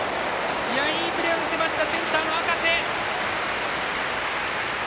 いいプレーを見せましたセンターの赤瀬！